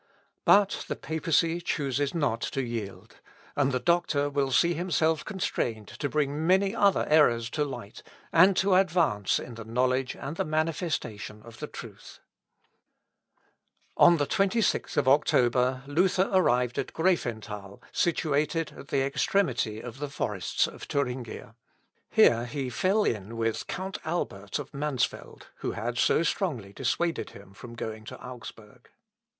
But the papacy chooses not to yield, and the doctor will see himself constrained to bring many other errors to light, and to advance in the knowledge and the manifestation of the truth. On the 26th October Luther arrived at Græfenthal, situated at the extremity of the forests of Thuringia. Here he fell in with Count Albert of Mansfeld, who had so strongly dissuaded him from going to Augsburg.